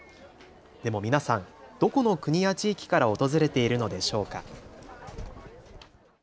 でも皆さん、どこの国や地域から訪れているのでしょうか。